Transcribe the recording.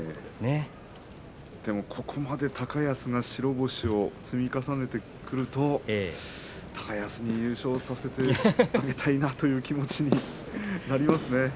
でもここまで高安が白星を積み重ねてくると高安に優勝させてあげたいなという気持ちになりますね。